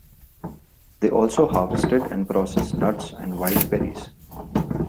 They also harvested and processed nuts and wild berries.